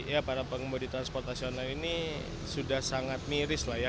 ya para pengemudi transportasional ini sudah sangat miris lah ya